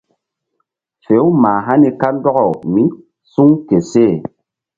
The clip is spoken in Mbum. Fe-u mah hani kandɔkaw mí suŋ ke seh.